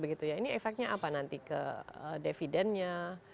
ini efeknya apa nanti ke dividennya